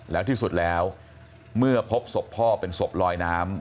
แล้วที่สุดแล้วเมื่อพบศพพ่อเป็นศพลอยน้ำ